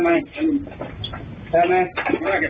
เนี่ยอัศวินอาจน์้องดับมันครับ